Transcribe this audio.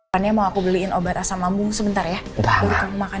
pannya mau aku beliin obat asam lambung sebentar ya